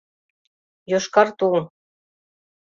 Йошкар тул